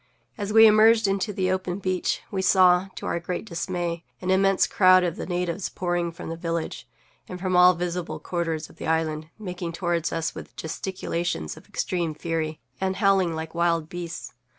As we emerged into the open beach we saw, to our great dismay, an immense crowd of the natives pouring from the village, and from all visible quarters of the island, making toward us with gesticulations of extreme fury, and howling like wild beasts.